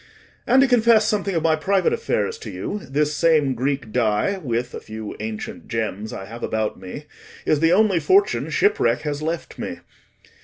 And, to confess something of my private affairs to you, this same Greek dye, with a few ancient gems I have about me, is the only fortune shipwreck has left me.